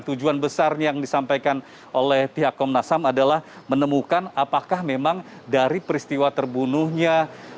tujuan besar yang disampaikan oleh pihak komnas ham adalah menemukan apakah memang dari peristiwa terbunuhnya